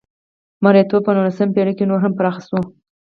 مریتوب په نولسمه پېړۍ کې نور هم پراخه شوه.